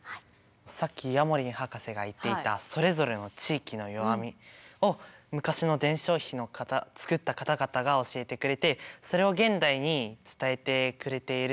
さっきヤモリン博士が言っていたそれぞれの地域の弱みを昔の伝承碑を作った方々が教えてくれてそれを現代に伝えてくれている。